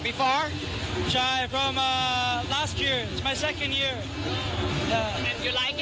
ที่สนชนะสงครามเปิดเพิ่ม